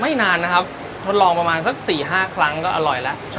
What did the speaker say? นานนะครับทดลองประมาณสัก๔๕ครั้งก็อร่อยแล้ว